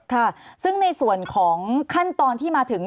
ค่ะซึ่งในส่วนของขั้นตอนที่มาถึง